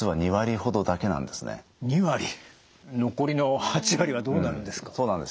残りの８割はどうなるんですか？